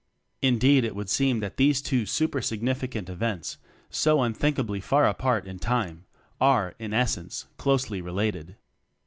Indeed it would seem that these two super significant events so unthink ably far apart in time are, in essence, closely related.